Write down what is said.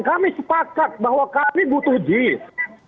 kami sepakat bahwa kami butuh jis